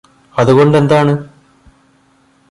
അതുകൊണ്ടെന്താണ്